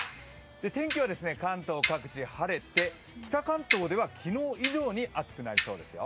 天気は関東各地、晴れて、北関東では昨日以上に暑くなりそうですよ。